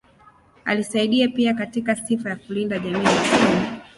Alisaidia pia katika sifa ya kulinda jamii maskini.